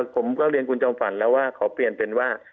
ผมก็เรียนคุณจอมฝันแล้วว่าขอเปลี่ยนเป็นว่า